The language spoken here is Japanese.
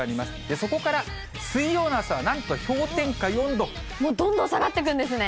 そこから水曜の朝は、なんと氷点どんどん下がってくんですね。